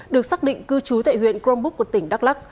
được xác định cư trú tại huyện crombook của tỉnh đắk lắc